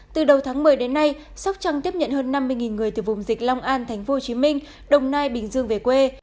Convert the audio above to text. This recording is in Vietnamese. từ đầu tháng một mươi đến nay sóc trăng tiếp nhận hơn năm mươi người từ vùng dịch long an thành phố hồ chí minh đồng nai bình dương về quê